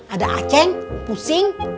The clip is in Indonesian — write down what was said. ada aceng pusing